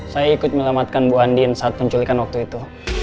saya ikut melamatkan bu andin saat penculikan waktu itu